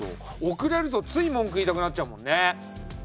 遅れるとつい文句言いたくなっちゃうもんね。